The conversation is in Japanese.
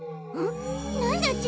なんだち？